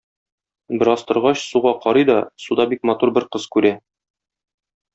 Бераз торгач, суга карый да суда бик матур бер кыз күрә.